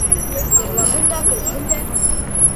Йырлаһын да, көлһөн дә.